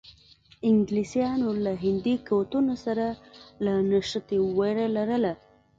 انګلیسانو له هندي قوتونو سره له نښتې وېره لرله.